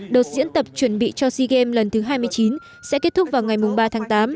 đợt diễn tập chuẩn bị cho sea games lần thứ hai mươi chín sẽ kết thúc vào ngày ba tháng tám